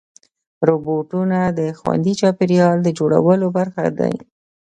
روبوټونه د خوندي چاپېریال د جوړولو برخه دي.